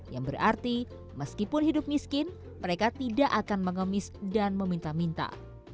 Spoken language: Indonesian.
yang berarti meskipun hidup miskin mereka tidak akan mengemis dan meminta minta